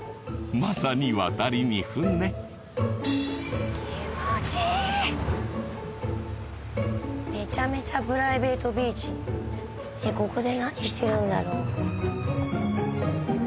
まさに渡りに船気持ちいいめちゃめちゃプライベートビーチココで何してるんだろ？